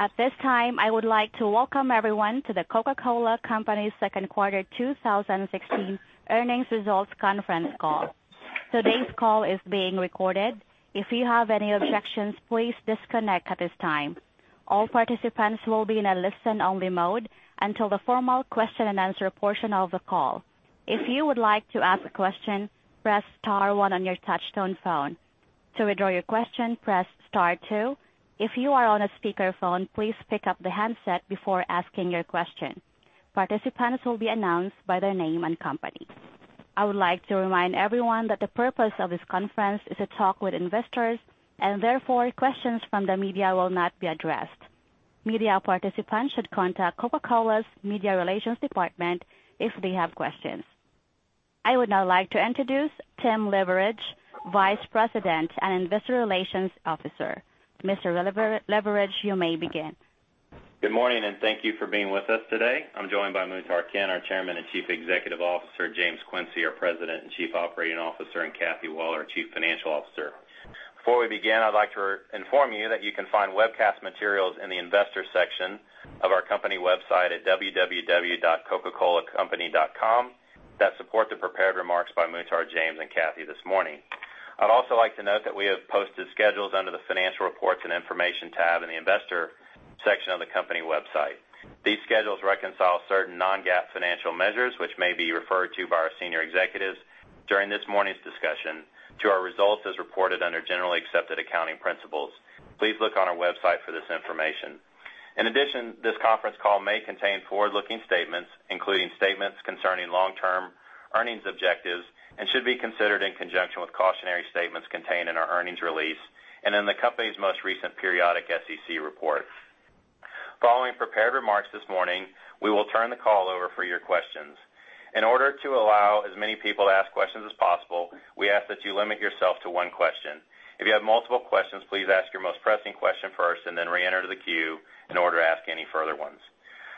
At this time, I would like to welcome everyone to The Coca-Cola Company's second quarter 2016 earnings results conference call. Today's call is being recorded. If you have any objections, please disconnect at this time. All participants will be in a listen-only mode until the formal question and answer portion of the call. If you would like to ask a question, press star one on your touch-tone phone. To withdraw your question, press star two. If you are on a speakerphone, please pick up the handset before asking your question. Participants will be announced by their name and company. I would like to remind everyone that the purpose of this conference is to talk with investors. Therefore, questions from the media will not be addressed. Media participants should contact Coca-Cola's media relations department if they have questions. I would now like to introduce Timothy K. Leveridge, Vice President and Investor Relations Officer. Mr. Leveridge, you may begin. Good morning. Thank you for being with us today. I'm joined by Muhtar Kent, our Chairman and Chief Executive Officer, James Quincey, our President and Chief Operating Officer, and Kathy Waller, our Chief Financial Officer. Before we begin, I'd like to inform you that you can find webcast materials in the investors section of our company website at www.coca-colacompany.com that support the prepared remarks by Muhtar, James, and Kathy this morning. I'd also like to note that we have posted schedules under the financial reports and information tab in the investor section of the company website. These schedules reconcile certain non-GAAP financial measures, which may be referred to by our senior executives during this morning's discussion to our results as reported under generally accepted accounting principles. Please look on our website for this information. In addition, this conference call may contain forward-looking statements, including statements concerning long-term earnings objectives and should be considered in conjunction with cautionary statements contained in our earnings release and in the company's most recent periodic SEC report. Following prepared remarks this morning, we will turn the call over for your questions. In order to allow as many people to ask questions as possible, we ask that you limit yourself to one question. If you have multiple questions, please ask your most pressing question first and then reenter the queue in order to ask any further ones.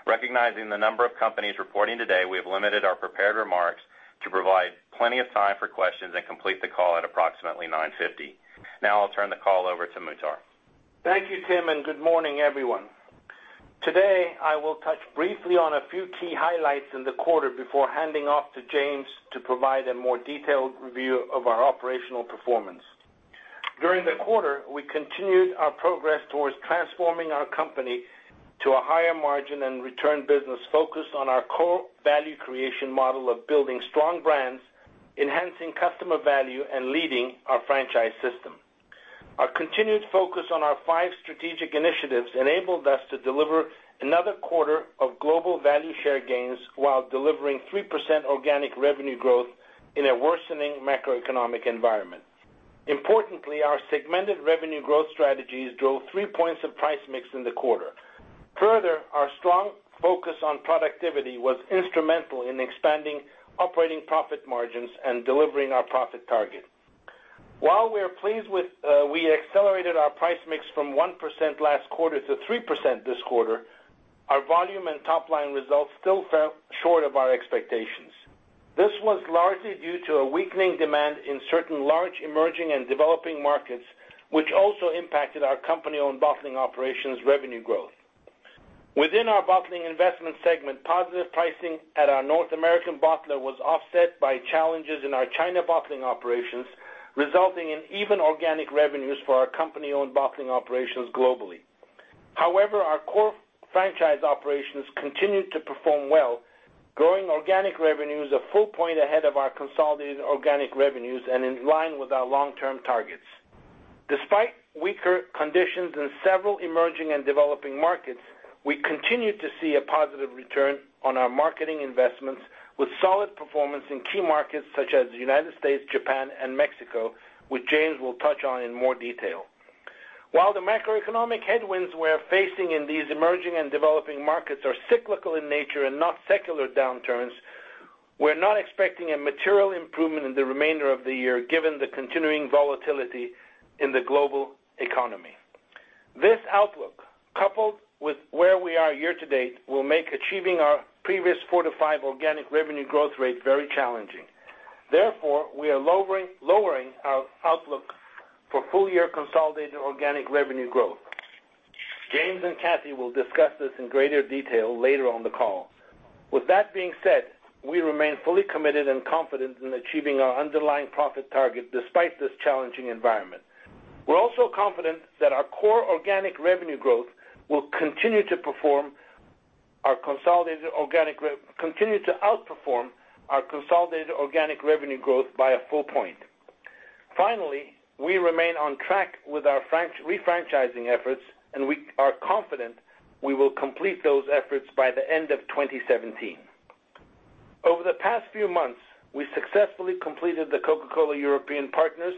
Recognizing the number of companies reporting today, we have limited our prepared remarks to provide plenty of time for questions and complete the call at approximately 9:50 A.M. I'll turn the call over to Muhtar. Thank you, Tim, and good morning, everyone. Today, I will touch briefly on a few key highlights in the quarter before handing off to James to provide a more detailed review of our operational performance. During the quarter, we continued our progress towards transforming our company to a higher margin and return business focused on our core value creation model of building strong brands, enhancing customer value, and leading our franchise system. Our continued focus on our 5 strategic initiatives enabled us to deliver another quarter of global value share gains while delivering 3% organic revenue growth in a worsening macroeconomic environment. Importantly, our segmented revenue growth strategies drove 3 points of price mix in the quarter. Further, our strong focus on productivity was instrumental in expanding operating profit margins and delivering our profit target. While we accelerated our price mix from 1% last quarter to 3% this quarter, our volume and top-line results still fell short of our expectations. This was largely due to a weakening demand in certain large emerging and developing markets, which also impacted our company-owned bottling operations revenue growth. Within our Bottling Investments Group segment, positive pricing at our North American bottler was offset by challenges in our China bottling operations, resulting in even organic revenues for our company-owned bottling operations globally. However, our core franchise operations continued to perform well, growing organic revenues a full point ahead of our consolidated organic revenues and in line with our long-term targets. Despite weaker conditions in several emerging and developing markets, we continued to see a positive return on our marketing investments with solid performance in key markets such as the U.S., Japan, and Mexico, which James will touch on in more detail. While the macroeconomic headwinds we're facing in these emerging and developing markets are cyclical in nature and not secular downturns, we're not expecting a material improvement in the remainder of the year, given the continuing volatility in the global economy. This outlook, coupled with where we are year to date, will make achieving our previous 4% to 5% organic revenue growth rate very challenging. Therefore, we are lowering our outlook for full-year consolidated organic revenue growth. James and Kathy will discuss this in greater detail later on the call. With that being said, we remain fully committed and confident in achieving our underlying profit target despite this challenging environment. We're also confident that our core organic revenue growth will continue to outperform our consolidated organic revenue growth by a full point. Finally, we remain on track with our re-franchising efforts, and we are confident we will complete those efforts by the end of 2017. Over the past few months, we successfully completed the Coca-Cola European Partners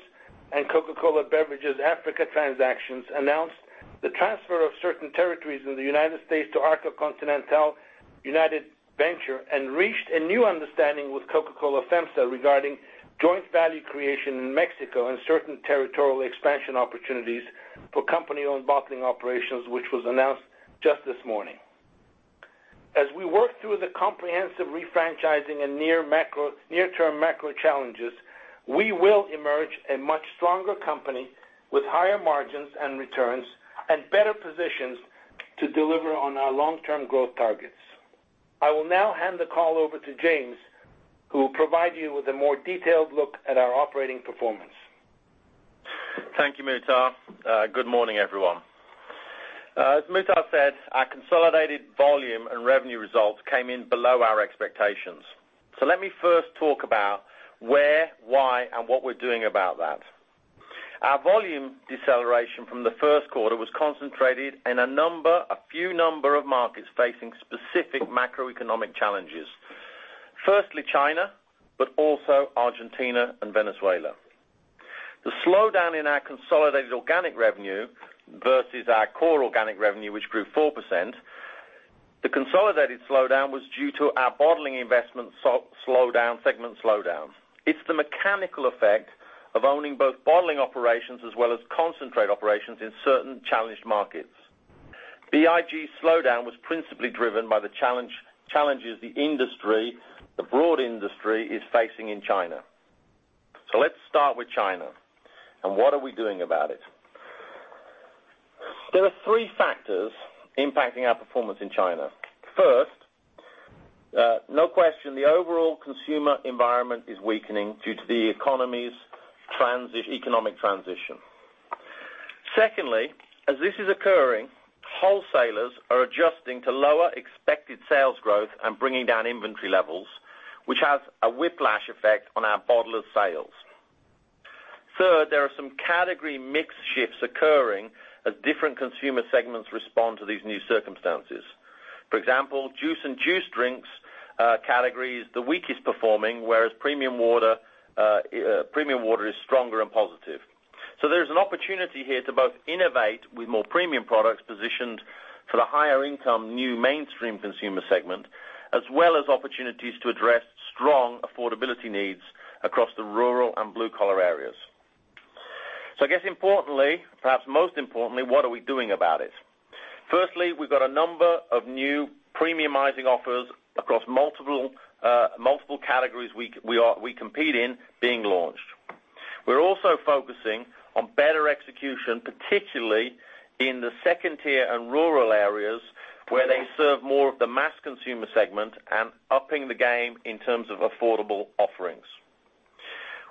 and Coca-Cola Beverages Africa transactions, announced the transfer of certain territories in the U.S. to Arca Continental/UNITED venture, and reached a new understanding with Coca-Cola FEMSA regarding joint value creation in Mexico and certain territorial expansion opportunities for company-owned bottling operations, which was announced just this morning. As we work through the comprehensive refranchising and near-term macro challenges, we will emerge a much stronger company with higher margins and returns, and better positions to deliver on our long-term growth targets. I will now hand the call over to James, who will provide you with a more detailed look at our operating performance. Thank you, Muhtar. Good morning, everyone. As Muhtar said, our consolidated volume and revenue results came in below our expectations. Let me first talk about where, why, and what we're doing about that. Our volume deceleration from the first quarter was concentrated in a few number of markets facing specific macroeconomic challenges. Firstly, China, but also Argentina and Venezuela. The slowdown in our consolidated organic revenue versus our core organic revenue, which grew 4%, the consolidated slowdown was due to our Bottling Investments segment slowdown. It's the mechanical effect of owning both bottling operations as well as concentrate operations in certain challenged markets. BIG slowdown was principally driven by the challenges the broad industry is facing in China. Let's start with China, and what are we doing about it. There are three factors impacting our performance in China. First, no question, the overall consumer environment is weakening due to the economy's economic transition. Secondly, as this is occurring, wholesalers are adjusting to lower expected sales growth and bringing down inventory levels, which has a whiplash effect on our bottlers sales. Third, there are some category mix shifts occurring as different consumer segments respond to these new circumstances. For example, juice and juice drinks category is the weakest performing, whereas premium water is stronger and positive. There's an opportunity here to both innovate with more premium products positioned for the higher income new mainstream consumer segment, as well as opportunities to address strong affordability needs across the rural and blue-collar areas. I guess importantly, perhaps most importantly, what are we doing about it? Firstly, we've got a number of new premiumizing offers across multiple categories we compete in being launched. We're also focusing on better execution, particularly in the 2 tier and rural areas, where they serve more of the mass consumer segment, and upping the game in terms of affordable offerings.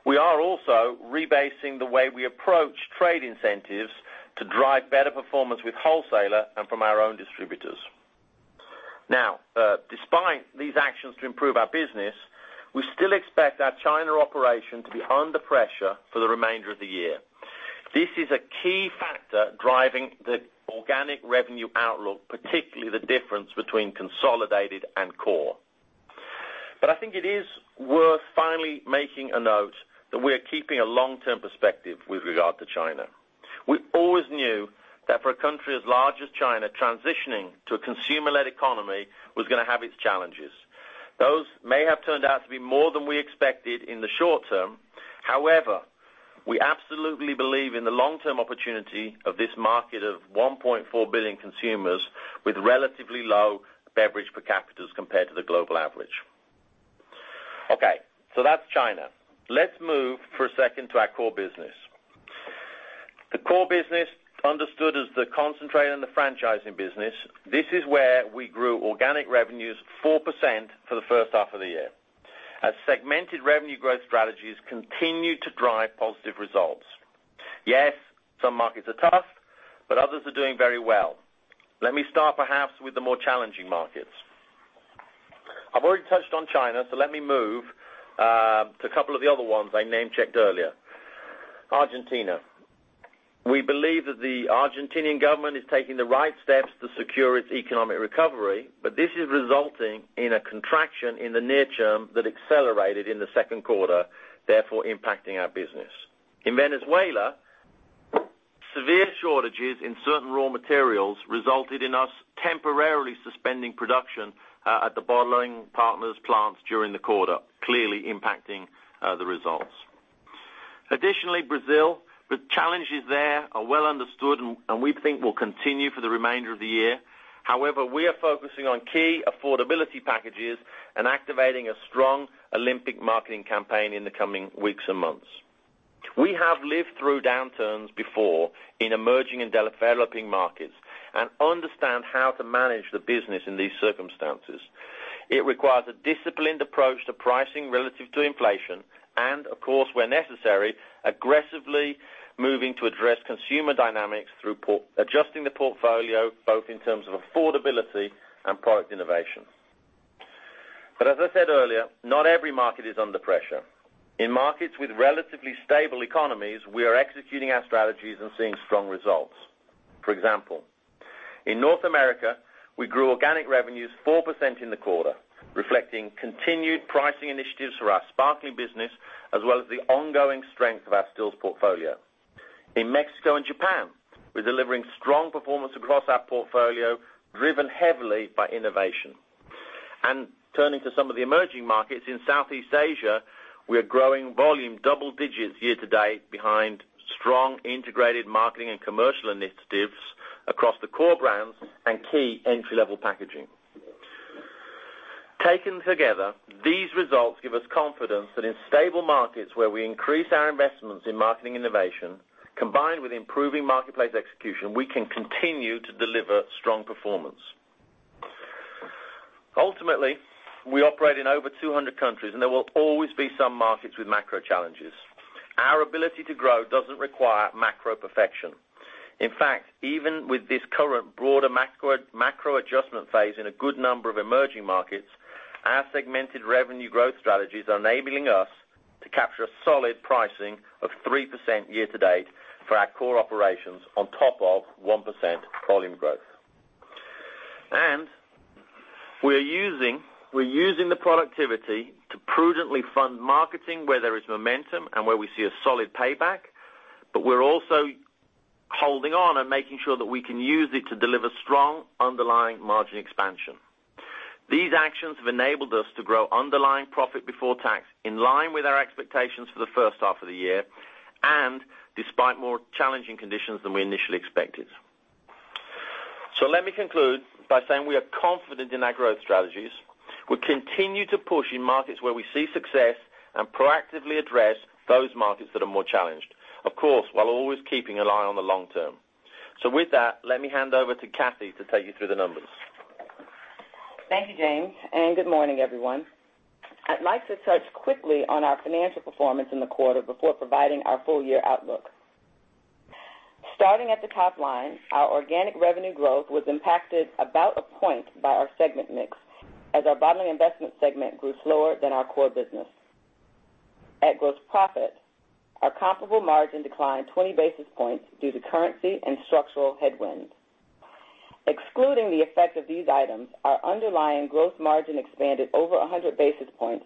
We are also rebasing the way we approach trade incentives to drive better performance with wholesaler and from our own distributors. Despite these actions to improve our business, we still expect our China operation to be under pressure for the remainder of the year. This is a key factor driving the organic revenue outlook, particularly the difference between consolidated and core. I think it is worth finally making a note that we are keeping a long-term perspective with regard to China. We always knew that for a country as large as China, transitioning to a consumer-led economy was going to have its challenges. Those may have turned out to be more than we expected in the short term. However, we absolutely believe in the long-term opportunity of this market of 1.4 billion consumers with relatively low beverage per capita compared to the global average. Okay, that's China. Let's move for a second to our core business. The core business understood as the concentrate and the franchising business. This is where we grew organic revenues 4% for the first half of the year, as segmented revenue growth strategies continue to drive positive results. Yes, some markets are tough, but others are doing very well. Let me start perhaps with the more challenging markets. I've already touched on China, so let me move to a couple of the other ones I name-checked earlier. Argentina. We believe that the Argentinian government is taking the right steps to secure its economic recovery, but this is resulting in a contraction in the near term that accelerated in the second quarter, therefore impacting our business. In Venezuela, severe shortages in certain raw materials resulted in us temporarily suspending production at the bottling partners' plants during the quarter, clearly impacting the results. Brazil, the challenges there are well understood and we think will continue for the remainder of the year. We are focusing on key affordability packages and activating a strong Olympic marketing campaign in the coming weeks and months. We have lived through downturns before in emerging and developing markets and understand how to manage the business in these circumstances. It requires a disciplined approach to pricing relative to inflation, and of course, where necessary, aggressively moving to address consumer dynamics through adjusting the portfolio both in terms of affordability and product innovation. As I said earlier, not every market is under pressure. In markets with relatively stable economies, we are executing our strategies and seeing strong results. For example, in North America, we grew organic revenues 4% in the quarter, reflecting continued pricing initiatives for our sparkling business, as well as the ongoing strength of our stills portfolio. In Mexico and Japan, we're delivering strong performance across our portfolio, driven heavily by innovation. Turning to some of the emerging markets in Southeast Asia, we are growing volume double digits year-to-date behind strong integrated marketing and commercial initiatives across the core brands and key entry-level packaging. Taken together, these results give us confidence that in stable markets where we increase our investments in marketing innovation, combined with improving marketplace execution, we can continue to deliver strong performance. Ultimately, we operate in over 200 countries, and there will always be some markets with macro challenges. Our ability to grow doesn't require macro perfection. In fact, even with this current broader macro adjustment phase in a good number of emerging markets, our segmented revenue growth strategies are enabling us to capture a solid pricing of 3% year-to-date for our core operations on top of 1% volume growth. We're using the productivity to prudently fund marketing where there is momentum and where we see a solid payback, but we're also holding on and making sure that we can use it to deliver strong underlying margin expansion. These actions have enabled us to grow underlying profit before tax in line with our expectations for the first half of the year, despite more challenging conditions than we initially expected. Let me conclude by saying we are confident in our growth strategies. We continue to push in markets where we see success and proactively address those markets that are more challenged. Of course, while always keeping an eye on the long term. With that, let me hand over to Kathy to take you through the numbers. Thank you, James, and good morning, everyone. I'd like to touch quickly on our financial performance in the quarter before providing our full-year outlook. Starting at the top line, our organic revenue growth was impacted about a point by our segment mix as our bottling investment segment grew slower than our core business. At gross profit, our comparable margin declined 20 basis points due to currency and structural headwinds. Excluding the effect of these items, our underlying growth margin expanded over 100 basis points,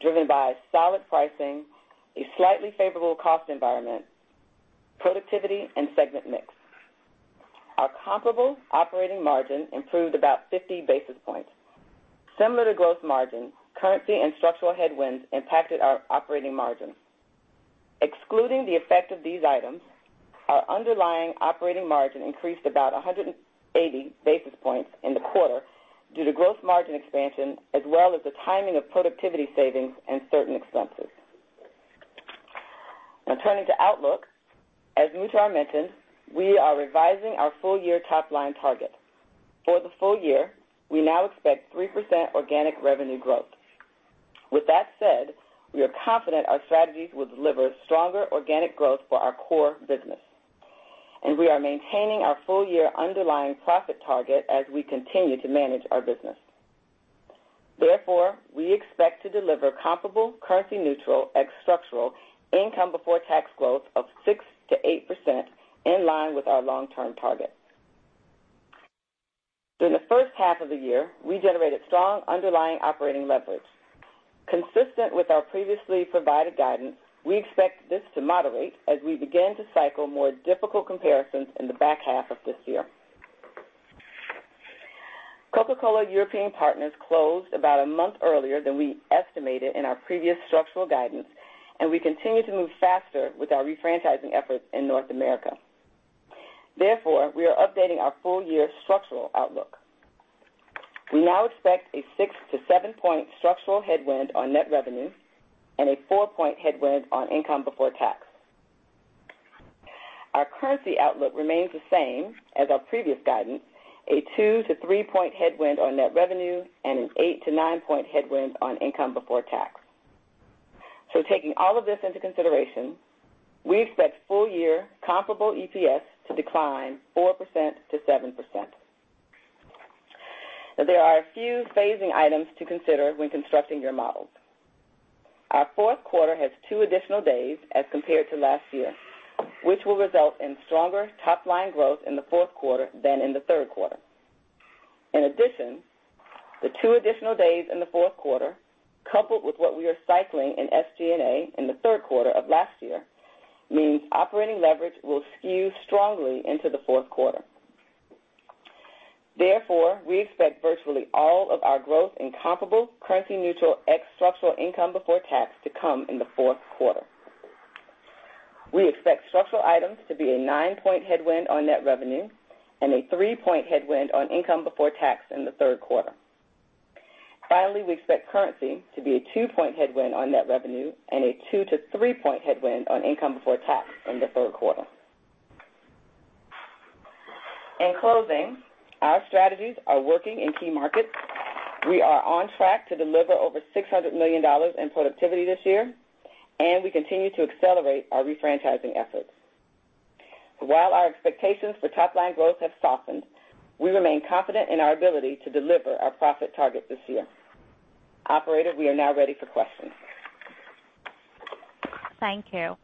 driven by solid pricing, a slightly favorable cost environment, productivity, and segment mix. Our comparable operating margin improved about 50 basis points. Similar to gross margin, currency and structural headwinds impacted our operating margin. Excluding the effect of these items, our underlying operating margin increased about 180 basis points in the quarter due to gross margin expansion as well as the timing of productivity savings and certain expenses. Turning to outlook, as Muhtar mentioned, we are revising our full-year top-line target. For the full year, we now expect 3% organic revenue growth. With that said, we are confident our strategies will deliver stronger organic growth for our core business. We are maintaining our full-year underlying profit target as we continue to manage our business. Therefore, we expect to deliver comparable currency neutral ex structural income before tax growth of 6%-8%, in line with our long-term targets. During the first half of the year, we generated strong underlying operating leverage. Consistent with our previously provided guidance, we expect this to moderate as we begin to cycle more difficult comparisons in the back half of this year. Coca-Cola European Partners closed about a month earlier than we estimated in our previous structural guidance. We continue to move faster with our refranchising efforts in North America. Therefore, we are updating our full-year structural outlook. We now expect a 6-7-point structural headwind on net revenue and a four-point headwind on income before tax. Our currency outlook remains the same as our previous guidance, a 2-3-point headwind on net revenue and an 8-9-point headwind on income before tax. Taking all of this into consideration, we expect full-year comparable EPS to decline 4%-7%. There are a few phasing items to consider when constructing your models. Our fourth quarter has two additional days as compared to last year, which will result in stronger top-line growth in the fourth quarter than in the third quarter. In addition, the two additional days in the fourth quarter, coupled with what we are cycling in SG&A in the third quarter of last year, means operating leverage will skew strongly into the fourth quarter. Therefore, we expect virtually all of our growth in comparable currency neutral ex structural income before tax to come in the fourth quarter. We expect structural items to be a nine-point headwind on net revenue and a three-point headwind on income before tax in the third quarter. Finally, we expect currency to be a two-point headwind on net revenue and a two to three-point headwind on income before tax in the third quarter. In closing, our strategies are working in key markets. We are on track to deliver over $600 million in productivity this year. We continue to accelerate our refranchising efforts. While our expectations for top-line growth have softened, we remain confident in our ability to deliver our profit target this year. Operator, we are now ready for questions. Thank you.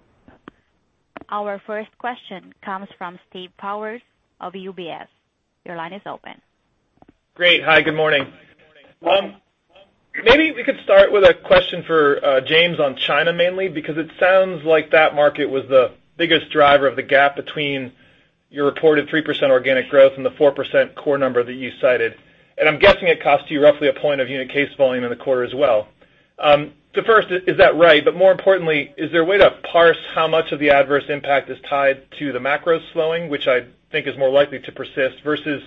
Our first question comes from Stephen Powers of UBS. Your line is open. Great. Hi, good morning. Maybe we could start with a question for James on China mainly because it sounds like that market was the biggest driver of the gap between your reported 3% organic growth and the 4% core number that you cited. I'm guessing it cost you roughly a point of unit case volume in the quarter as well. First, is that right? More importantly, is there a way to parse how much of the adverse impact is tied to the macro slowing, which I think is more likely to persist, versus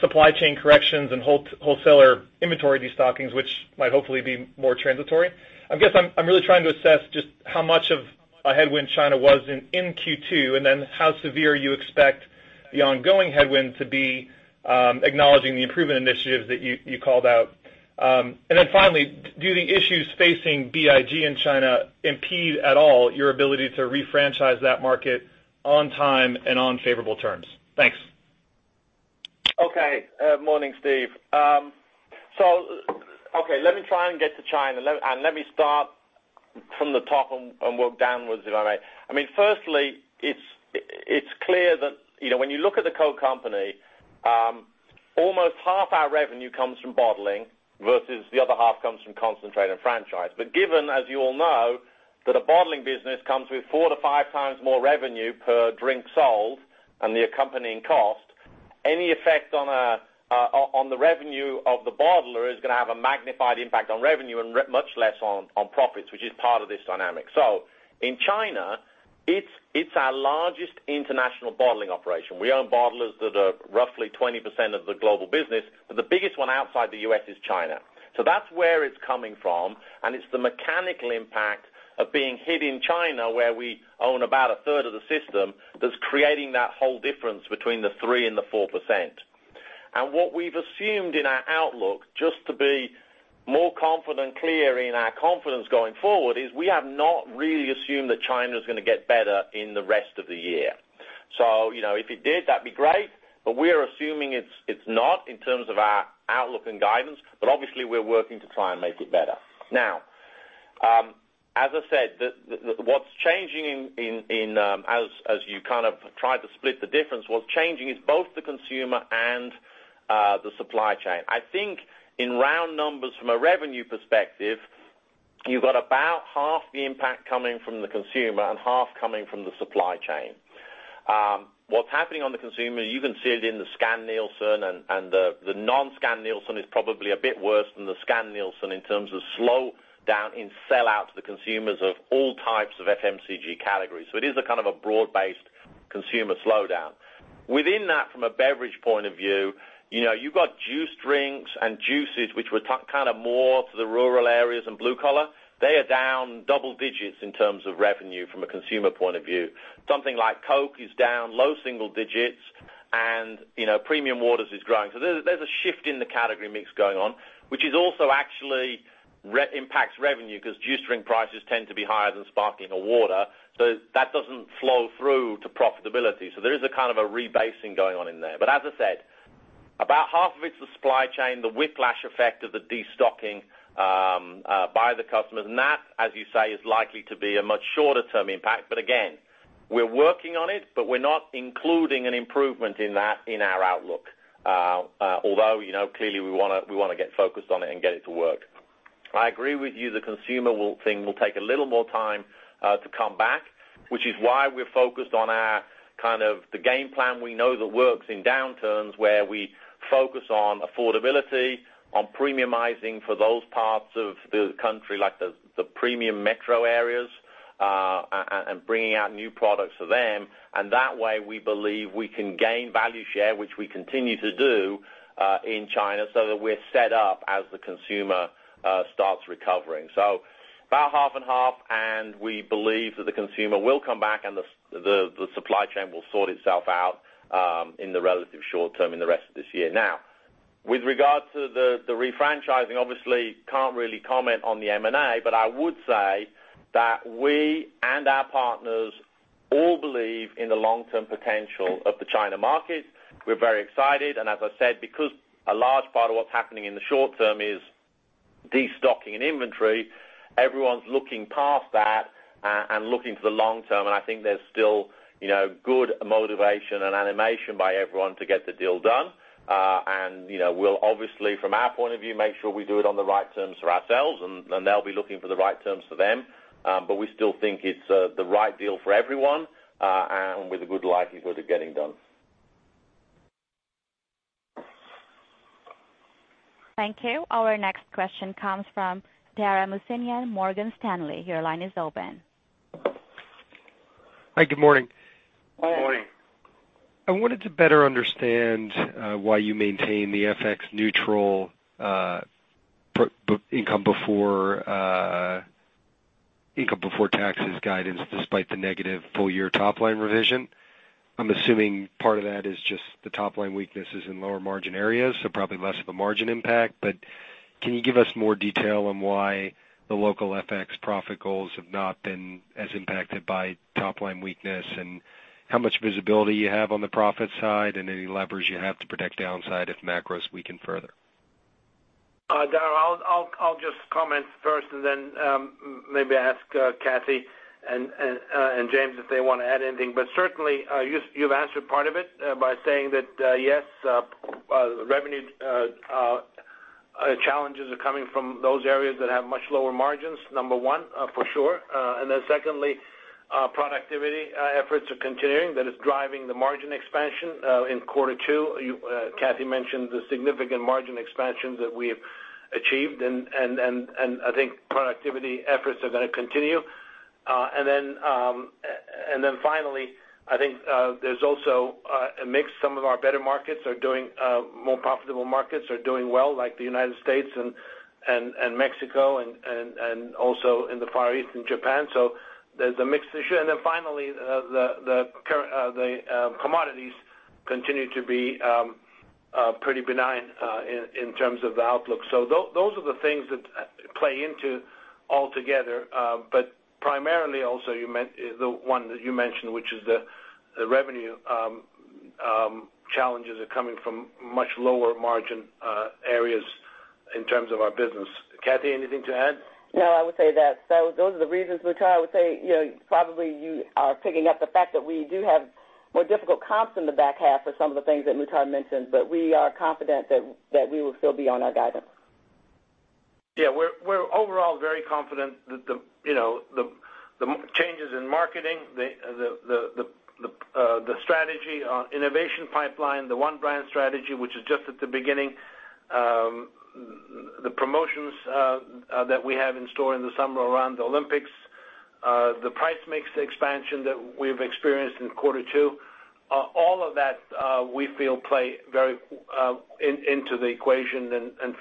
supply chain corrections and wholesaler inventory destockings, which might hopefully be more transitory? I guess I'm really trying to assess just how much of a headwind China was in Q2. How severe you expect the ongoing headwind to be, acknowledging the improvement initiatives that you called out. Finally, do the issues facing BIG in China impede at all your ability to refranchise that market on time and on favorable terms? Thanks. Okay. Morning, Steve. Okay, let me try and get to China, and let me start from the top and work downwards, if I may. Firstly, it is clear that when you look at The Coke Company, almost half our revenue comes from bottling versus the other half comes from concentrate and franchise. Given, as you all know, that a bottling business comes with four to five times more revenue per drink sold and the accompanying cost, any effect on the revenue of the bottler is going to have a magnified impact on revenue and much less on profits, which is part of this dynamic. In China, it is our largest international bottling operation. We own bottlers that are roughly 20% of the global business, but the biggest one outside the U.S. is China. That's where it is coming from, and it is the mechanical impact of being hit in China, where we own about a third of the system, that is creating that whole difference between the 3% and the 4%. What we have assumed in our outlook, just to be more confident and clear in our confidence going forward, is we have not really assumed that China is going to get better in the rest of the year. If it did, that would be great, but we are assuming it is not in terms of our outlook and guidance. Obviously, we are working to try and make it better. As I said, as you kind of tried to split the difference, what is changing is both the consumer and the supply chain. I think in round numbers from a revenue perspective, you have got about half the impact coming from the consumer and half coming from the supply chain. What is happening on the consumer, you can see it in the scan Nielsen and the non-scan Nielsen is probably a bit worse than the scan Nielsen in terms of slowdown in sell-out to the consumers of all types of FMCG categories. It is a kind of a broad-based consumer slowdown. Within that, from a beverage point of view, you have got juice drinks and juices which were more for the rural areas and blue collar. They are down double digits in terms of revenue from a consumer point of view. Something like Coke is down low single digits and premium waters is growing. There's a shift in the category mix going on, which also actually impacts revenue because juice drink prices tend to be higher than sparkling or water. That doesn't flow through to profitability. There is a kind of a rebasing going on in there. As I said, about half of it's the supply chain, the whiplash effect of the destocking by the customers and that, as you say, is likely to be a much shorter-term impact. Again, we're working on it, but we're not including an improvement in that in our outlook. Although clearly we want to get focused on it and get it to work. I agree with you, the consumer thing will take a little more time to come back, which is why we're focused on the game plan we know that works in downturns where we focus on affordability, on premiumizing for those parts of the country like the premium metro areas, and bringing out new products for them. That way we believe we can gain value share, which we continue to do in China so that we're set up as the consumer starts recovering. About half and half and we believe that the consumer will come back and the supply chain will sort itself out in the relative short term in the rest of this year. With regard to the refranchising, obviously can't really comment on the M&A, but I would say that we and our partners all believe in the long-term potential of the China market. We're very excited and as I said, because a large part of what's happening in the short term is destocking and inventory, everyone's looking past that and looking to the long term and I think there's still good motivation and animation by everyone to get the deal done. We'll obviously, from our point of view, make sure we do it on the right terms for ourselves and they'll be looking for the right terms for them. We still think it's the right deal for everyone and with a good likelihood of getting done. Thank you. Our next question comes from Dara Mohsenian, Morgan Stanley. Your line is open. Hi, good morning. Morning. I wanted to better understand why you maintain the FX neutral income before taxes guidance despite the negative full-year top-line revision. I'm assuming part of that is just the top-line weakness is in lower margin areas, so probably less of a margin impact. Can you give us more detail on why the local FX profit goals have not been as impacted by top-line weakness and how much visibility you have on the profit side and any levers you have to protect downside if macros weaken further? Dara, I'll just comment first and then maybe ask Kathy and James if they want to add anything. Certainly, you've answered part of it by saying that yes, revenue Challenges are coming from those areas that have much lower margins, number one, for sure. Secondly, productivity efforts are continuing. That is driving the margin expansion in quarter two. Kathy mentioned the significant margin expansions that we've achieved, and I think productivity efforts are going to continue. Finally, I think there's also a mix. Some of our better markets are doing— more profitable markets are doing well, like the United States and Mexico and also in the Far East and Japan. There's a mix issue. Finally, the commodities continue to be pretty benign in terms of the outlook. Those are the things that play into altogether. Primarily also the one that you mentioned, which is the revenue challenges are coming from much lower margin areas in terms of our business. Kathy, anything to add? No, I would say that those are the reasons, Muhtar. I would say, probably you are picking up the fact that we do have more difficult comps in the back half of some of the things that Muhtar mentioned. We are confident that we will still be on our guidance. Yeah. We're overall very confident that the changes in marketing, the strategy on innovation pipeline, the One Brand strategy, which is just at the beginning, the promotions that we have in store in the summer around the Olympics, the price mix expansion that we've experienced in quarter two. All of that, we feel play into the equation and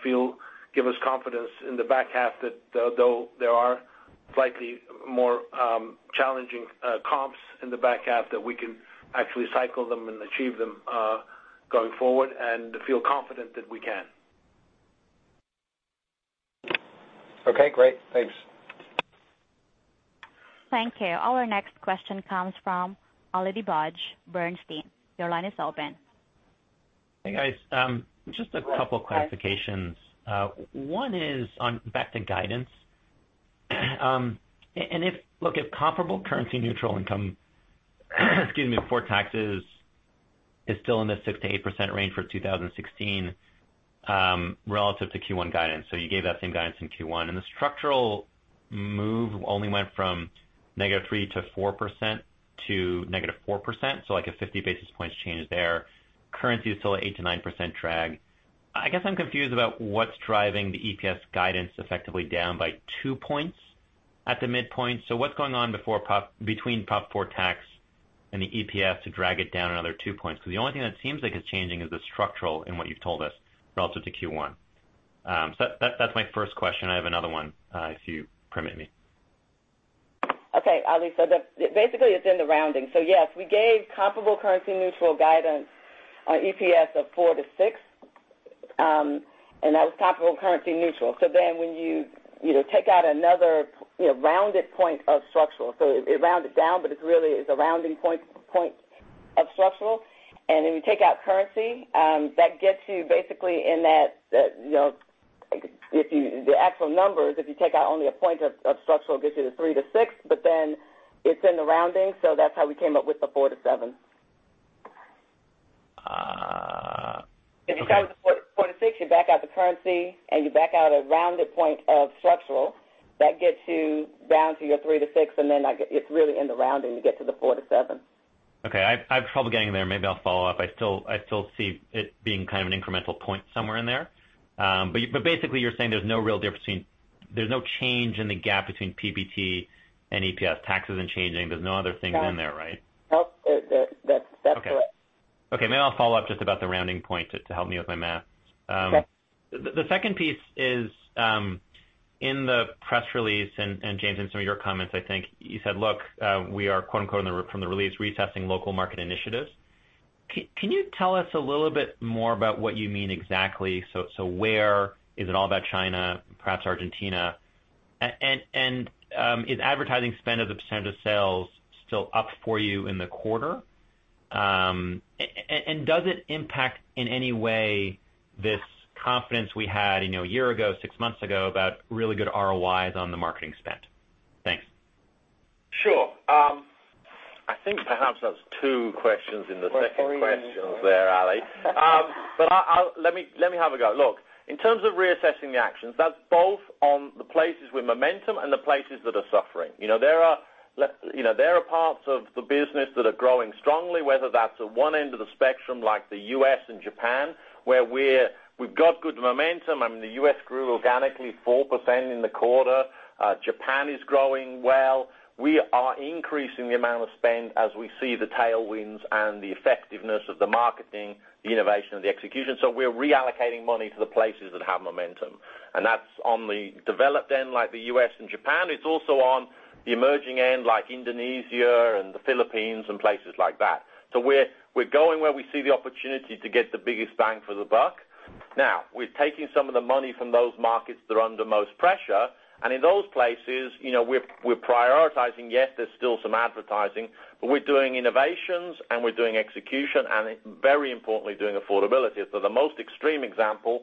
give us confidence in the back half that though there are slightly more challenging comps in the back half, that we can actually cycle them and achieve them, going forward and feel confident that we can. Okay, great. Thanks. Thank you. Our next question comes from Ali Dibadj, Bernstein. Your line is open. Hey, guys. Just a couple clarifications. One is on back to guidance. Look, if comparable currency neutral income before taxes is still in the 6%-8% range for 2016, relative to Q1 guidance, you gave that same guidance in Q1, and the structural move only went from -3% to -4% to -4%, like a 50 basis points change there. Currency is still at 8%-9% drag. I guess I'm confused about what's driving the EPS guidance effectively down by two points at the midpoint. What's going on between profit before tax and the EPS to drag it down another two points? Because the only thing that seems like it's changing is the structural in what you've told us relative to Q1. That's my first question. I have another one, if you permit me. Okay, Ali. Basically, it's in the rounding. Yes, we gave comparable currency neutral guidance on EPS of 4%-6%, and that was comparable currency neutral. When you take out another rounded point of structural, so it rounded down, but it really is a rounding point of structural. You take out currency, that gets you basically in the actual numbers, if you take out only a point of structural, gets you to 3%-6%, but then it's in the rounding, so that's how we came up with the 4%-7%. Okay. If you count the 4%-6%, you back out the currency and you back out a rounded point of structural, that gets you down to your 3%-6%, and then it's really in the rounding, you get to the 4%-7%. Okay. I have trouble getting there. Maybe I'll follow up. I still see it being kind of an incremental point somewhere in there. Basically you're saying there's no change in the gap between PBT and EPS. Tax isn't changing. There's no other things in there, right? Nope. That's correct. Okay. Maybe I'll follow up just about the rounding point to help me with my math. Sure. The second piece is, in the press release, James, in some of your comments, I think you said, look, we are, quote unquote, "from the release, reassessing local market initiatives." Can you tell us a little bit more about what you mean exactly? Where? Is it all about China, perhaps Argentina? Is advertising spend as a percentage of sales still up for you in the quarter? Does it impact in any way this confidence we had a year ago, six months ago, about really good ROIs on the marketing spend? Thanks. Sure. I think perhaps that's two questions in the second question there, Ali. Let me have a go. Look, in terms of reassessing the actions, that's both on the places with momentum and the places that are suffering. There are parts of the business that are growing strongly, whether that's at one end of the spectrum like the U.S. and Japan, where we've got good momentum. I mean, the U.S. grew organically 4% in the quarter. Japan is growing well. We are increasing the amount of spend as we see the tailwinds and the effectiveness of the marketing, the innovation, and the execution. We're reallocating money to the places that have momentum. That's on the developed end, like the U.S. and Japan. It's also on the emerging end, like Indonesia and the Philippines and places like that. We're going where we see the opportunity to get the biggest bang for the buck. We're taking some of the money from those markets that are under most pressure, and in those places, we're prioritizing. Yes, there's still some advertising, we're doing innovations and we're doing execution and very importantly, doing affordability. The most extreme example,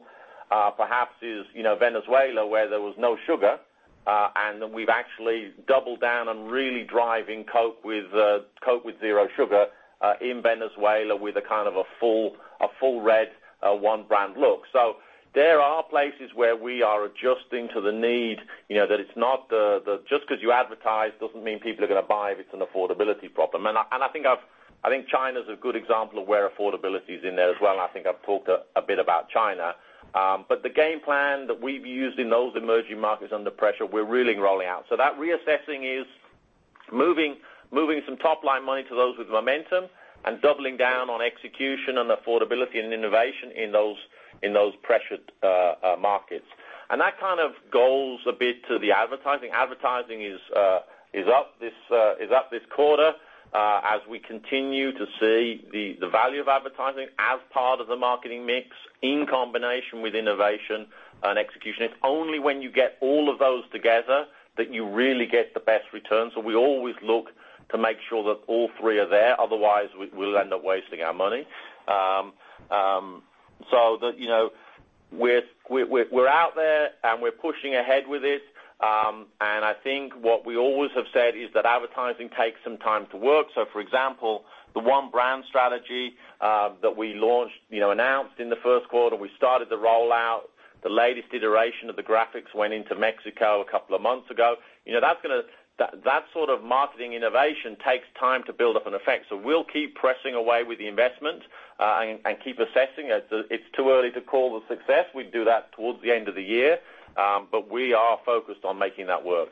perhaps is Venezuela, where there was no sugar. We've actually doubled down on really driving Coke with zero sugar in Venezuela with a kind of a full red one brand look. There are places where we are adjusting to the need, that just because you advertise doesn't mean people are going to buy if it's an affordability problem. I think China is a good example of where affordability is in there as well, and I think I've talked a bit about China. The game plan that we've used in those emerging markets under pressure, we're really rolling out. That reassessing is moving some top-line money to those with momentum and doubling down on execution and affordability and innovation in those pressured markets. That kind of goes a bit to the advertising. Advertising is up this quarter as we continue to see the value of advertising as part of the marketing mix in combination with innovation and execution. It's only when you get all of those together that you really get the best return. We always look to make sure that all three are there, otherwise, we'll end up wasting our money. We're out there, and we're pushing ahead with this. I think what we always have said is that advertising takes some time to work. For example, the one brand strategy that we announced in the first quarter, we started the rollout. The latest iteration of the graphics went into Mexico a couple of months ago. That sort of marketing innovation takes time to build up an effect. We'll keep pressing away with the investment and keep assessing it. It's too early to call the success. We do that towards the end of the year, we are focused on making that work.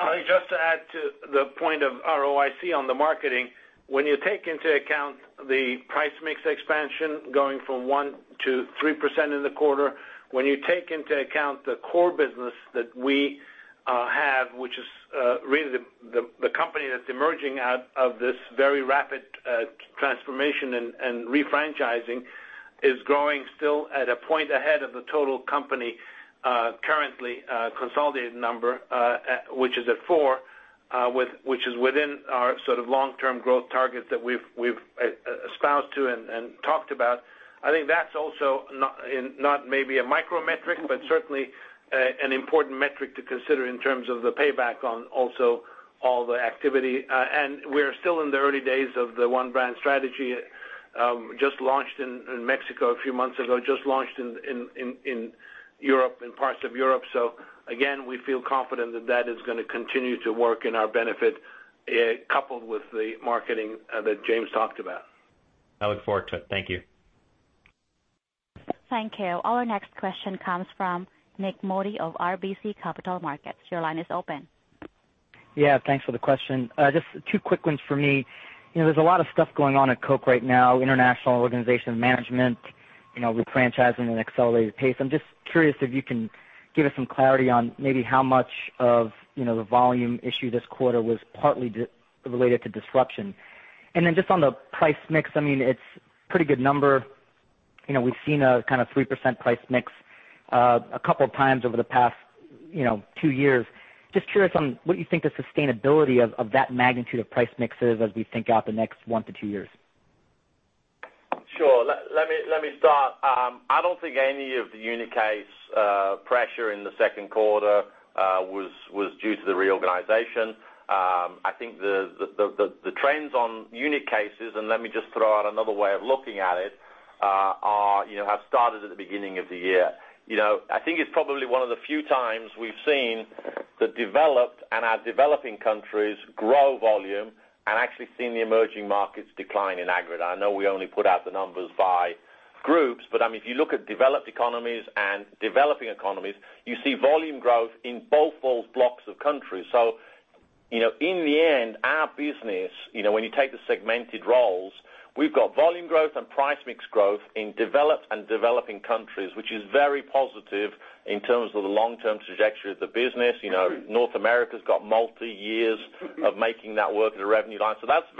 I think just to add to the point of ROIC on the marketing, when you take into account the price mix expansion going from 1%-3% in the quarter, when you take into account the core business that we have, which is really the company that's emerging out of this very rapid transformation and refranchising is growing still at a point ahead of the total company currently consolidated number, which is at 4%, which is within our sort of long-term growth targets that we've espoused to and talked about. I think that's also not maybe a micro metric, certainly an important metric to consider in terms of the payback on also all the activity. We're still in the early days of the One Brand Strategy. Just launched in Mexico a few months ago, just launched in parts of Europe. Again, we feel confident that that is going to continue to work in our benefit coupled with the marketing that James talked about. I look forward to it. Thank you. Thank you. Our next question comes from Nik Modi of RBC Capital Markets. Your line is open. Yeah, thanks for the question. Just two quick ones for me. There's a lot of stuff going on at Coke right now, international organization management, refranchising at an accelerated pace. I'm just curious if you can give us some clarity on maybe how much of the volume issue this quarter was partly related to disruption. Just on the price mix, it's pretty good number. We've seen a kind of 3% price mix a couple of times over the past two years. Just curious on what you think the sustainability of that magnitude of price mix is as we think out the next one to two years. Sure. Let me start. I don't think any of the unit case pressure in the second quarter was due to the reorganization. I think the trends on unit cases, and let me just throw out another way of looking at it, have started at the beginning of the year. I think it's probably one of the few times we've seen the developed and our developing countries grow volume and actually seen the emerging markets decline in aggregate. I know we only put out the numbers by groups, but if you look at developed economies and developing economies, you see volume growth in both those blocks of countries. In the end, our business, when you take the segmented roles, we've got volume growth and price mix growth in developed and developing countries, which is very positive in terms of the long-term trajectory of the business. North America's got multi-years of making that work as a revenue line. That's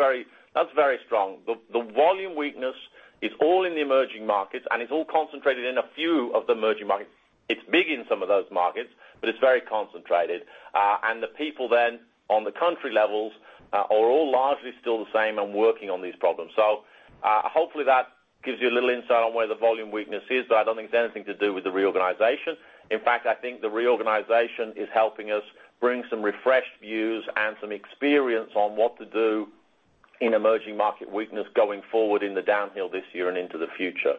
very strong. The volume weakness is all in the emerging markets, and it's all concentrated in a few of the emerging markets. It's big in some of those markets, but it's very concentrated. The people then on the country levels are all largely still the same and working on these problems. Hopefully that gives you a little insight on where the volume weakness is, but I don't think it's anything to do with the reorganization. In fact, I think the reorganization is helping us bring some refreshed views and some experience on what to do in emerging market weakness going forward in the downhill this year and into the future.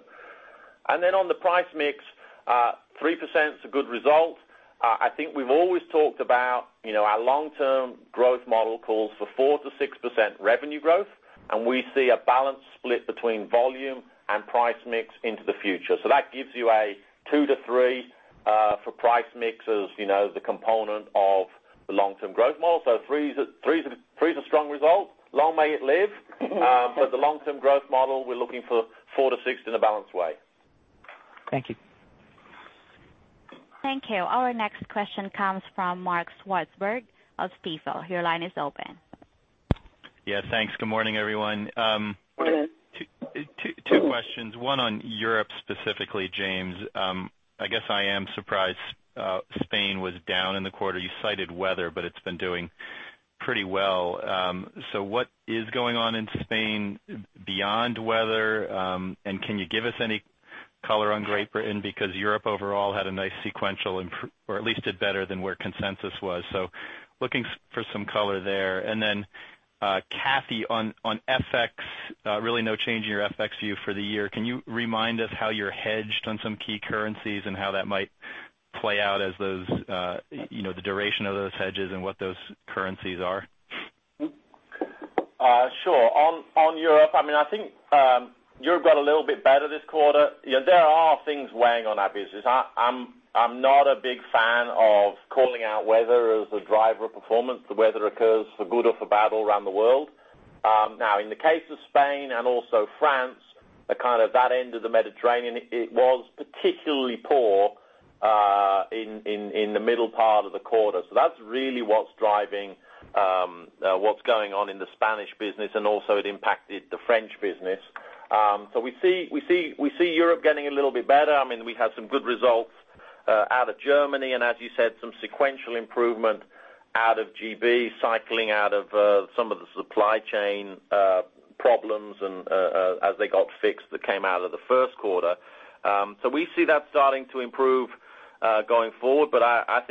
On the price mix, 3% is a good result. I think we've always talked about our long-term growth model calls for 4%-6% revenue growth, and we see a balanced split between volume and price mix into the future. That gives you a 2-3 for price mix as the component of the long-term growth model. three is a strong result. Long may it live. The long-term growth model, we're looking for 4-6 in a balanced way. Thank you. Thank you. Our next question comes from Mark Swartzberg of Stifel. Your line is open. Yeah, thanks. Good morning, everyone. Morning. Two questions, one on Europe specifically, James. I guess I am surprised Spain was down in the quarter. You cited weather, but it's been doing pretty well. What is going on in Spain beyond weather? Can you give us any color on Great Britain, because Europe overall had a nice sequential, or at least did better than where consensus was. Looking for some color there. Kathy, on FX, really no change in your FX view for the year. Can you remind us how you're hedged on some key currencies and how that might play out as the duration of those hedges and what those currencies are? Sure. On Europe, I think Europe got a little bit better this quarter. There are things weighing on our business. I'm not a big fan of calling out weather as a driver of performance. The weather occurs for good or for bad all around the world. In the case of Spain and also France, that end of the Mediterranean, it was particularly poor in the middle part of the quarter. That's really what's driving what's going on in the Spanish business, and also it impacted the French business. We see Europe getting a little bit better. We had some good results out of Germany, and as you said, some sequential improvement out of GB, cycling out of some of the supply chain problems and as they got fixed, that came out of the first quarter. We see that starting to improve going forward. I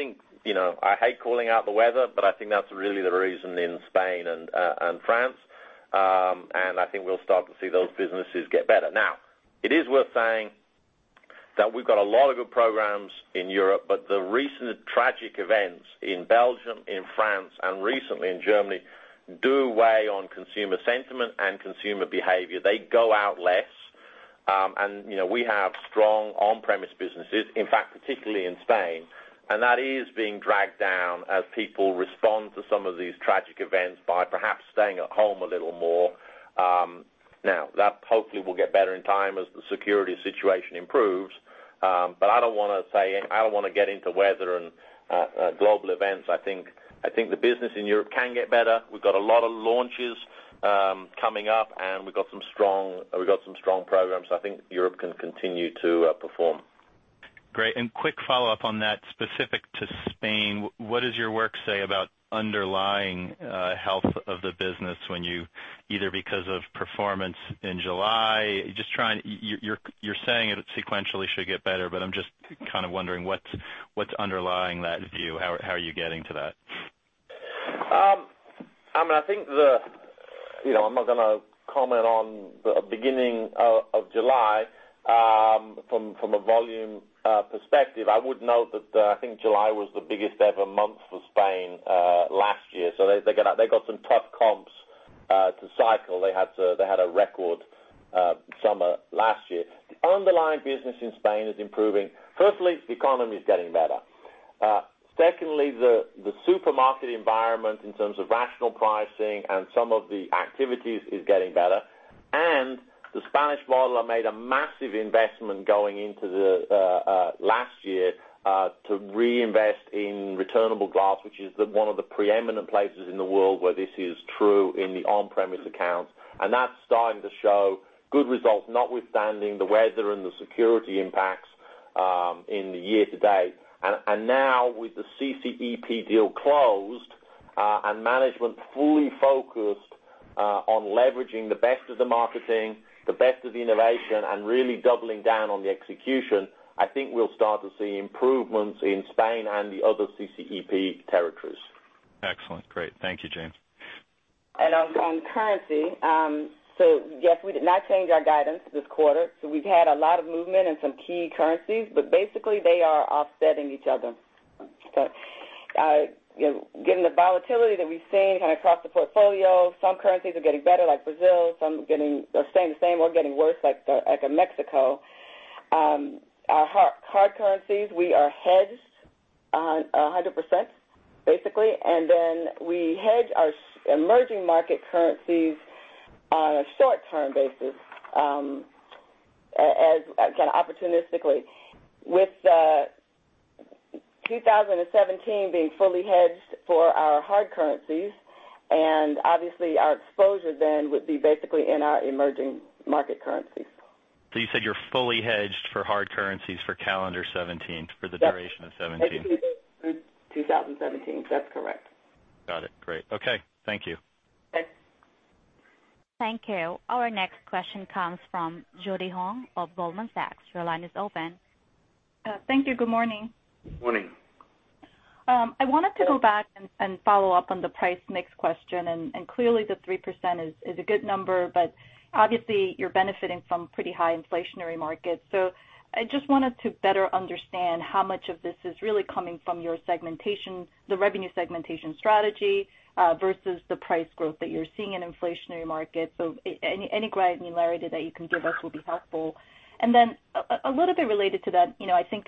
hate calling out the weather, but I think that's really the reason in Spain and France. I think we'll start to see those businesses get better. It is worth saying that we've got a lot of good programs in Europe, but the recent tragic events in Belgium, in France, and recently in Germany, do weigh on consumer sentiment and consumer behavior. They go out less. We have strong on-premise businesses, in fact, particularly in Spain, and that is being dragged down as people respond to some of these tragic events by perhaps staying at home a little more. That hopefully will get better in time as the security situation improves. I don't want to get into weather and global events. I think the business in Europe can get better. We've got a lot of launches coming up, and we've got some strong programs. I think Europe can continue to outperform. Great. Quick follow-up on that. Specific to Spain, what does your work say about underlying health of the business, either because of performance in July, you're saying it sequentially should get better, but I'm just kind of wondering what's underlying that view? How are you getting to that? I'm not going to comment on the beginning of July. From a volume perspective, I would note that I think July was the biggest ever month for Spain last year. They got some tough comps to cycle. They had a record summer last year. The underlying business in Spain is improving. Firstly, the economy is getting better. Secondly, the supermarket environment in terms of rational pricing and some of the activities is getting better. The Spanish bottler made a massive investment going into the last year, to reinvest in returnable glass, which is one of the preeminent places in the world where this is true in the on-premise accounts. That's starting to show good results, notwithstanding the weather and the security impacts in the year to date. Now with the CCEP deal closed, and management fully focused on leveraging the best of the marketing, the best of the innovation, and really doubling down on the execution, I think we'll start to see improvements in Spain and the other CCEP territories. Excellent. Great. Thank you, James. On currency, yes, we did not change our guidance this quarter. We've had a lot of movement in some key currencies, but basically they are offsetting each other. Given the volatility that we've seen across the portfolio, some currencies are getting better, like Brazil, some are staying the same or getting worse like Mexico. Our hard currencies, we are hedged 100%, basically, and then we hedge our emerging market currencies on a short-term basis, opportunistically. With 2017 being fully hedged for our hard currencies, obviously our exposure then would be basically in our emerging market currencies. You said you're fully hedged for hard currencies for calendar 2017, for the duration of 2017. Yes. 2017. That's correct. Got it. Great. Okay. Thank you. Thanks. Thank you. Our next question comes from Judy Hong of Goldman Sachs. Your line is open. Thank you. Good morning. Morning. Clearly the 3% is a good number, obviously you're benefiting from pretty high inflationary markets. I just wanted to better understand how much of this is really coming from your revenue segmentation strategy, versus the price growth that you're seeing in inflationary markets. Any granularity that you can give us will be helpful. Then a little bit related to that, I think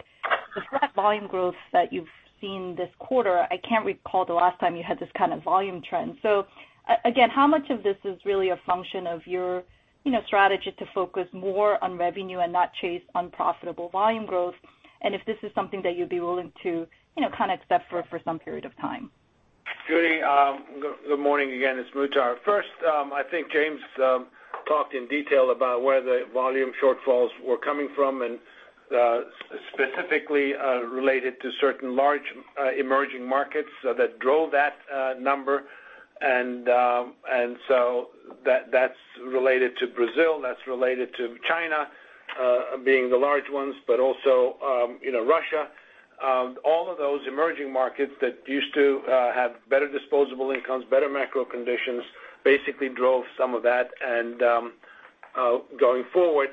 the flat volume growth that you've seen this quarter, I can't recall the last time you had this kind of volume trend. Again, how much of this is really a function of your strategy to focus more on revenue and not chase unprofitable volume growth, and if this is something that you'd be willing to accept for some period of time? Judy, good morning again. It's Muhtar. First, I think James talked in detail about where the volume shortfalls were coming from. Specifically related to certain large emerging markets that drove that number. That's related to Brazil, that's related to China, being the large ones, but also Russia. All of those emerging markets that used to have better disposable incomes, better macro conditions, basically drove some of that. Going forward,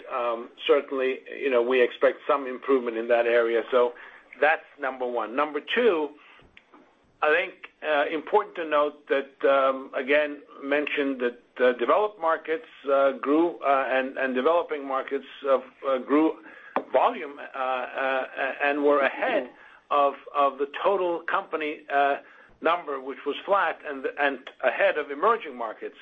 certainly, we expect some improvement in that area. That's number one. Number two, I think important to note that, again, mentioned that developed markets grew and developing markets grew volume, and were ahead of the total company number, which was flat and ahead of emerging markets.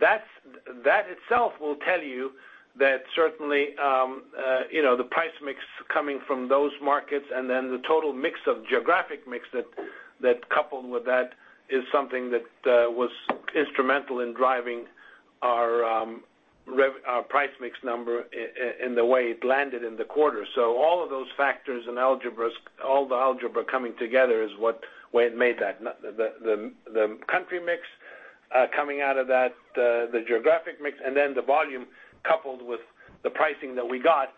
That itself will tell you that certainly the price mix coming from those markets and then the total mix of geographic mix that coupled with that is something that was instrumental in driving our price mix number in the way it landed in the quarter. All of those factors and all the algebra coming together is what made that. The country mix coming out of that, the geographic mix, and then the volume coupled with the pricing that we got.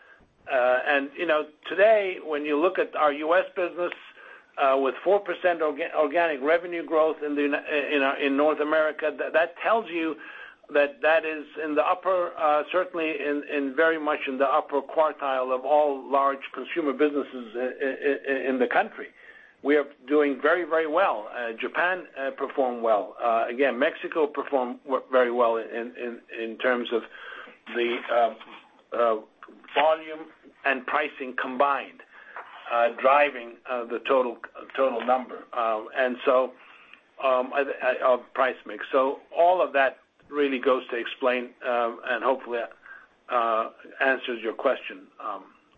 Today, when you look at our U.S. business with 4% organic revenue growth in North America, that tells you that is certainly very much in the upper quartile of all large consumer businesses in the country. We are doing very well. Japan performed well. Again, Mexico performed very well in terms of the volume and pricing combined, driving the total number of price mix. All of that really goes to explain, and hopefully answers your question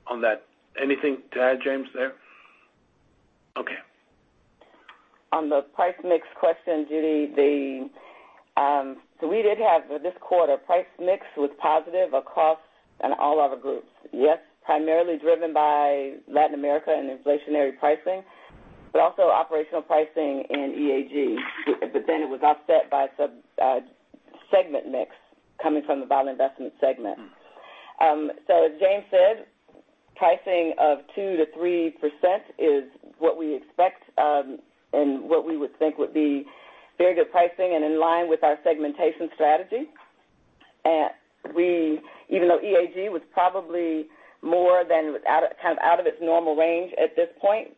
on that. Anything to add, James, there? Okay. On the price mix question, Judy. We did have, this quarter, price mix was positive across in all our groups. Yes, primarily driven by Latin America and inflationary pricing, but also operational pricing in EAG. It was offset by segment mix coming from the Bottling Investments Group segment. As James said, pricing of 2%-3% is what we expect, and what we would think would be very good pricing and in line with our segmentation strategy. Even though EAG was probably more kind of out of its normal range at this point,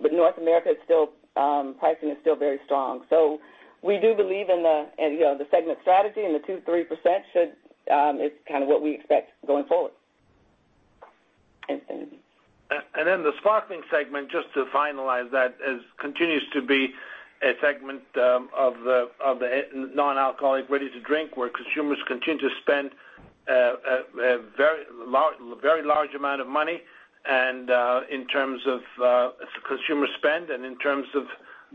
but North America pricing is still very strong. We do believe in the segment strategy, and the 2%-3% is kind of what we expect going forward. The sparkling segment, just to finalize that, continues to be a segment of the non-alcoholic ready-to-drink where consumers continue to spend a very large amount of money and in terms of consumer spend, and in terms of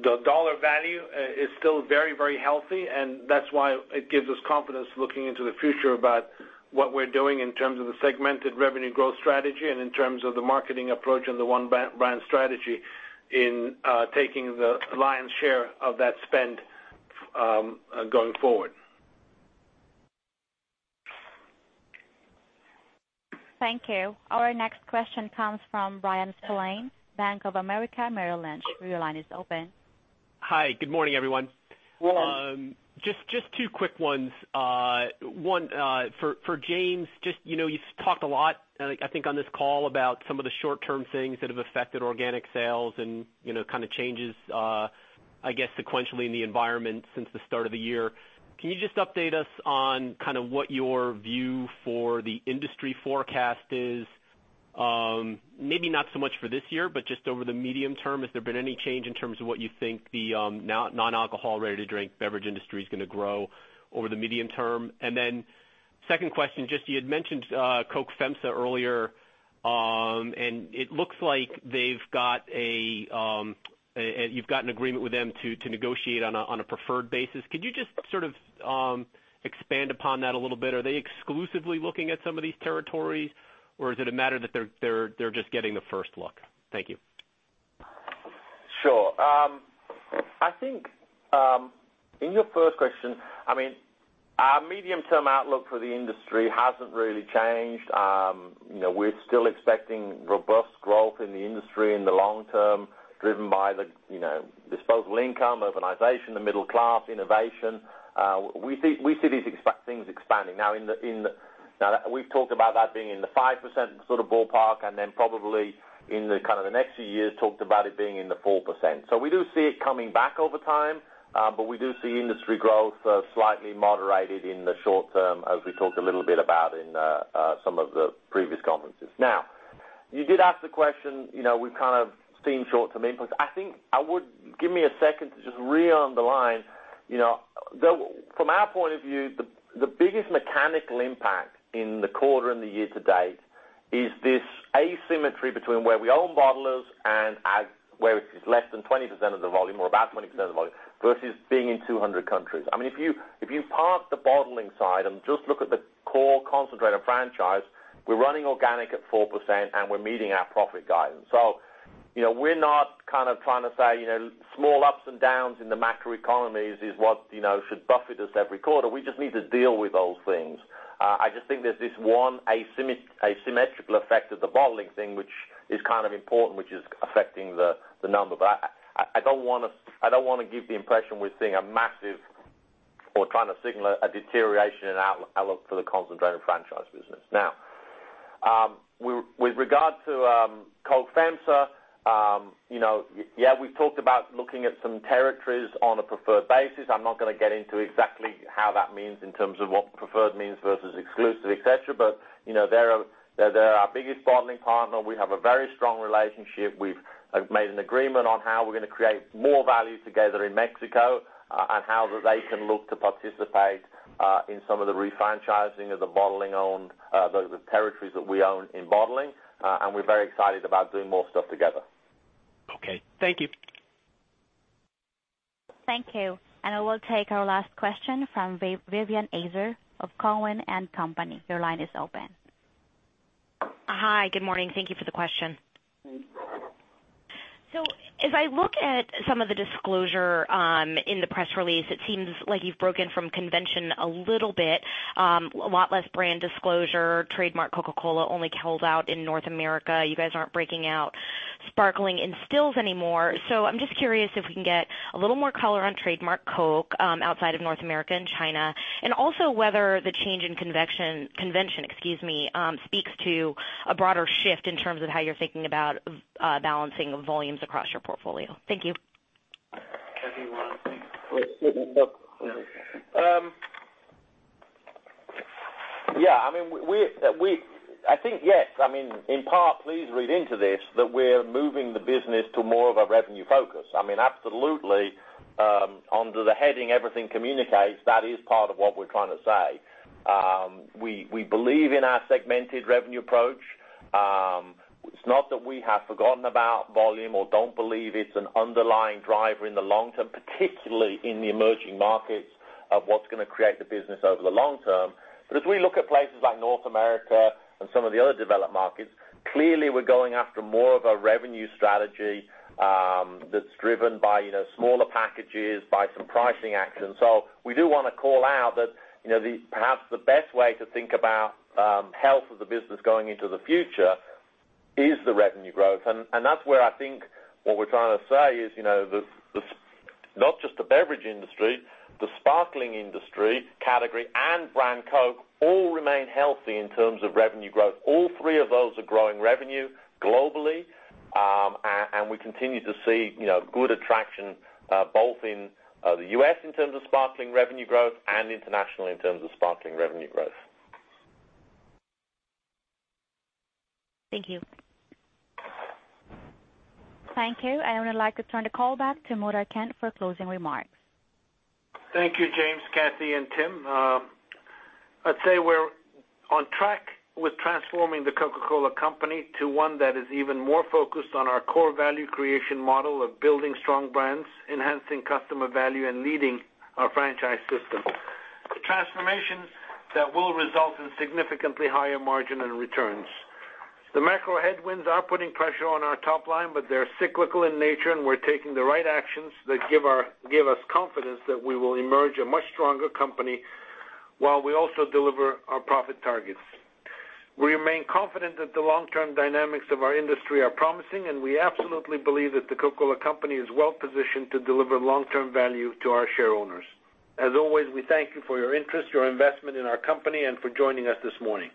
the dollar value, is still very healthy. That's why it gives us confidence looking into the future about what we're doing in terms of the segmented revenue growth strategy and in terms of the marketing approach and the one-brand strategy in taking the lion's share of that spend going forward. Thank you. Our next question comes from Bryan Spillane, Bank of America Merrill Lynch. Your line is open. Hi. Good morning, everyone. Morning. Just two quick ones. One for James. You talked a lot, I think, on this call about some of the short-term things that have affected organic sales and kind of changes, I guess, sequentially in the environment since the start of the year. Can you just update us on what your view for the industry forecast is? Maybe not so much for this year, but just over the medium term. Has there been any change in terms of what you think the non-alcohol ready-to-drink beverage industry is going to grow over the medium term? Second question, just you had mentioned Coke FEMSA earlier. It looks like you've got an agreement with them to negotiate on a preferred basis. Could you just sort of expand upon that a little bit? Are they exclusively looking at some of these territories, or is it a matter that they're just getting the first look? Thank you. Sure. I think in your first question, our medium-term outlook for the industry hasn't really changed. We're still expecting robust growth in the industry in the long term, driven by the disposable income, urbanization, the middle class, innovation. We see these things expanding. We've talked about that being in the 5% sort of ballpark, and then probably in the next few years talked about it being in the 4%. We do see it coming back over time, but we do see industry growth slightly moderated in the short term, as we talked a little bit about in some of the previous conferences. You did ask the question, we've kind of seen short-term inputs. Give me a second to just re-underline. From our point of view, the biggest mechanical impact in the quarter and the year to date is this asymmetry between where we own bottlers and where it's less than 20% of the volume or about 20% of the volume versus being in 200 countries. If you park the bottling side and just look at the core concentrate and franchise, we're running organic at 4% and we're meeting our profit guidance. We're not kind of trying to say small ups and downs in the macro economies is what should buffet us every quarter. We just need to deal with those things. I just think there's this one asymmetrical effect of the bottling thing, which is kind of important, which is affecting the number. I don't want to give the impression we're seeing a massive or trying to signal a deterioration in outlook for the concentrated franchise business. With regard to Coca-Cola FEMSA, yeah, we've talked about looking at some territories on a preferred basis. I'm not going to get into exactly how that means in terms of what preferred means versus exclusive, et cetera. They're our biggest bottling partner. We have a very strong relationship. We've made an agreement on how we're going to create more value together in Mexico and how they can look to participate in some of the re-franchising of the territories that we own in bottling. We're very excited about doing more stuff together. Okay. Thank you. Thank you. We'll take our last question from Vivien Azer of Cowen and Company. Your line is open. Hi, good morning. Thank you for the question. If I look at some of the disclosure in the press release, it seems like you've broken from convention a little bit. A lot less brand disclosure, trademark Coca-Cola only held out in North America. You guys aren't breaking out sparkling and stills anymore. I'm just curious if we can get a little more color on trademark Coke outside of North America and China, and also whether the change in convention speaks to a broader shift in terms of how you're thinking about balancing volumes across your portfolio. Thank you. Kathy, you want to take this? Yeah. I think, yes. In part, please read into this, that we're moving the business to more of a revenue focus. Absolutely, under the heading, everything communicates, that is part of what we're trying to say. We believe in our segmented revenue approach. It's not that we have forgotten about volume or don't believe it's an underlying driver in the long term, particularly in the emerging markets of what's going to create the business over the long term. As we look at places like North America and some of the other developed markets, clearly we're going after more of a revenue strategy that's driven by smaller packages, by some pricing actions. We do want to call out that perhaps the best way to think about health of the business going into the future is the revenue growth. That's where I think what we're trying to say is, not just the beverage industry, the sparkling industry category, and brand Coke all remain healthy in terms of revenue growth. All three of those are growing revenue globally. We continue to see good attraction both in the U.S. in terms of sparkling revenue growth and internationally in terms of sparkling revenue growth. Thank you. Thank you. I would like to turn the call back to Muhtar Kent for closing remarks. Thank you, James, Kathy, and Tim. I'd say we're on track with transforming The Coca-Cola Company to one that is even more focused on our core value creation model of building strong brands, enhancing customer value, and leading our franchise system. A transformation that will result in significantly higher margin and returns. The macro headwinds are putting pressure on our top line, they're cyclical in nature, we're taking the right actions that give us confidence that we will emerge a much stronger company while we also deliver our profit targets. We remain confident that the long-term dynamics of our industry are promising, we absolutely believe that The Coca-Cola Company is well-positioned to deliver long-term value to our shareowners. As always, we thank you for your interest, your investment in our company, and for joining us this morning.